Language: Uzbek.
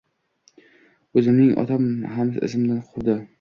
O’zimning otam ham izimdan quvdi.